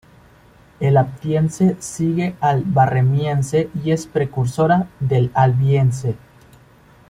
El Aptiense sigue al Barremiense y es precursora del Albiense.